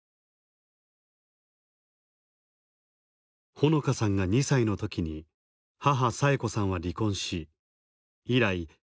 穂野香さんが２歳の時に母佐永子さんは離婚し以来１人で娘を育ててきた。